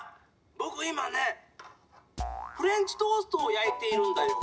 ぼく今ねフレンチトーストをやいているんだよ。